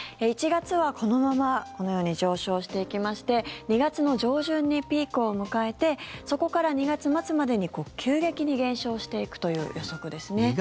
１月は、このままこのように上昇していきまして２月の上旬にピークを迎えてそこから２月末までに急激に減少していくという予測ですね。